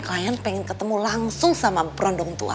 klien pengen ketemu langsung sama berondong tua